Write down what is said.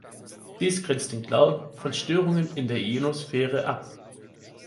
Dies grenzt ihn klar von Störungen in der Ionosphäre ab.